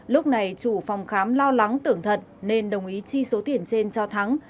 lúc này chủ phòng khám lo lắng tưởng thật nên đồng ý chi số tiền trên cho thắng